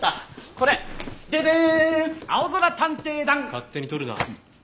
勝手に取るな。